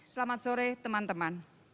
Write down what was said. terima kasih ibu